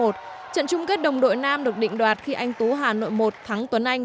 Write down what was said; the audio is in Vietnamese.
trận chung kết đồng đội nam được định đoạt khi anh tú hà nội một thắng tuấn anh